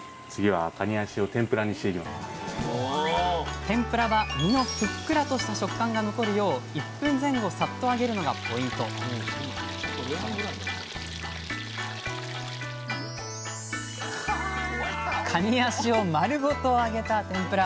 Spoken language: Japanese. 天ぷらは身のふっくらとした食感が残るよう１分前後さっと揚げるのがポイントかに脚を丸ごと揚げた天ぷら。